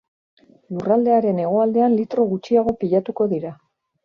Lurraldearen hegoaldean litro gutxiago pilatuko dira.